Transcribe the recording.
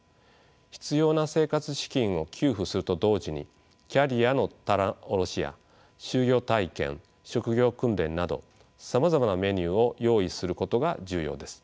必要な生活資金を給付すると同時にキャリアの棚卸しや就業体験職業訓練などさまざまなメニューを用意することが重要です。